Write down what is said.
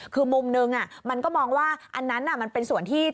คือมุมนึงมันก็มองว่าอันนั้นมันเป็นส่วนที่